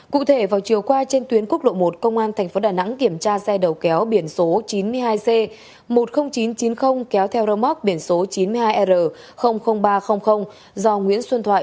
cụ thể vào chiều qua trên tuyến quốc lộ một công an tp đà nẵng kiểm tra xe đầu kéo biển số chín mươi hai c một mươi nghìn chín trăm chín mươi kéo theo rơ móc biển số chín mươi hai r ba trăm linh do nguyễn xuân thoại